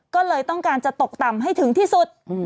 ก็เลยต้องการจะตกต่ำให้ถึงที่สุด